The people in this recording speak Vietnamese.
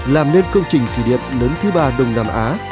làm nên công trình thủy điện lớn thứ ba đông nam á